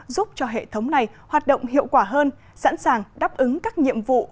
giúp cho hệ thống này hoạt động hiệu quả hơn sẵn sàng đáp ứng các nhiệm vụ